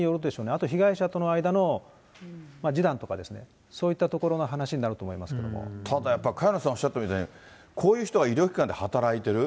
あと被害者との間の示談とか、そういったところの話になると思いただ、やっぱり萱野さんおっしゃったように、こういう人が医療機関で働いてる。